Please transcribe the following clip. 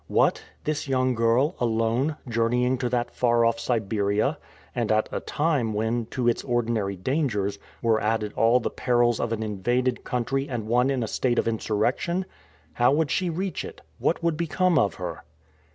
What! this young girl, alone, journeying to that far off Siberia, and at a time when, to its ordinary dangers, were added all the perils of an invaded country and one in a state of insurrection! How would she reach it? What would become of her?